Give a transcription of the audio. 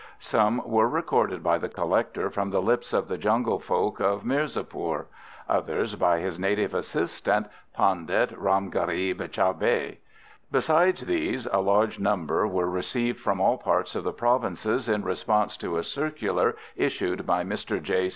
Some were recorded by the collector from the lips of the jungle folk of Mirzápur; others by his native assistant, Pandit Rámgharíb Chaubé. Besides these, a large number were received from all parts of the Provinces in response to a circular issued by Mr. J.